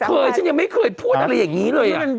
ฉันยังไม่เคยพูดอะไรอย่างนี้เลย